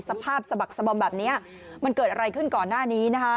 สภาพสะบักสะบอมแบบนี้มันเกิดอะไรขึ้นก่อนหน้านี้นะคะ